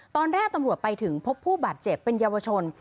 ตอนแรกตำรวจไปถึงพบผู้บาดเจ็บเป็นเยาวชน